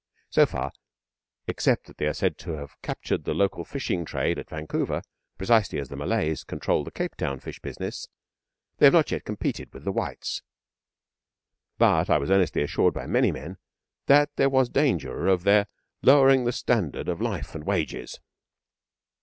So far except that they are said to have captured the local fishing trade at Vancouver, precisely as the Malays control the Cape Town fish business they have not yet competed with the whites; but I was earnestly assured by many men that there was danger of their lowering the standard of life and wages.